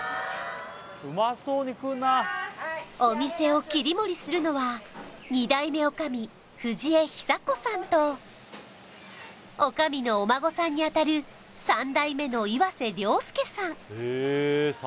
お店を切り盛りするのは２代目女将藤江壽子さんと女将のお孫さんに当たる３代目の岩涼介さん